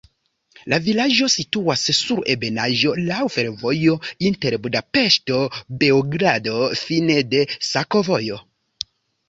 La vilaĝo situas sur ebenaĵo, laŭ fervojo inter Budapeŝto-Beogrado, fine de sakovojo.